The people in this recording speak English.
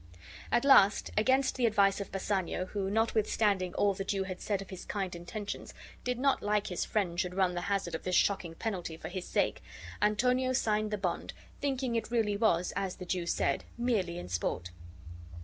At last, against the advice of Bassanio, who, notwithstanding all the Jew had said of his kind intentions, did not like his friend should run the hazard of this shocking penalty for his sake, Antonio signed the bond, thinking it really was (as the Jew said) merely in sport.